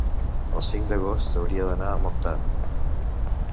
El cinc d'agost hauria d'anar a Montant.